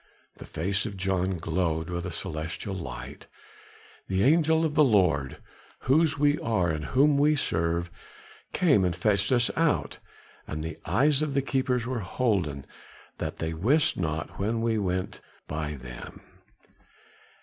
The face of John glowed with a celestial light. "The angel of the Lord, whose we are and whom we serve, came and fetched us out, and the eyes of the keepers were holden that they wist not when we went by them."